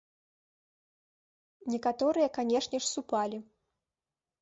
Некаторыя, канешне ж, супалі.